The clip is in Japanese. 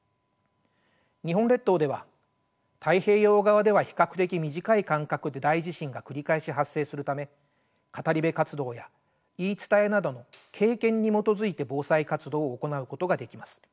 日本列島では太平洋側では比較的短い間隔で大地震が繰り返し発生するため語り部活動や言い伝えなどの「経験」に基づいて防災活動を行うことができます。